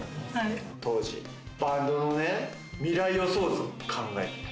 当時バンドのね、未来予想図、考えてた。